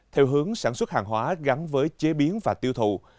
theo hướng sản xuất hàng hóa gắn với chế biến và tiêu thụ